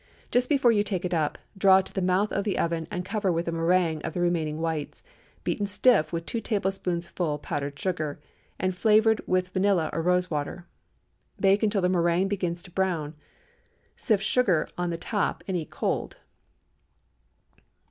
Just before you take it up, draw to the mouth of the oven and cover with a méringue of the remaining whites, beaten stiff with two tablespoonfuls powdered sugar, and flavored with vanilla or rose water. Bake until the méringue begins to brown. Sift sugar on the top and eat cold.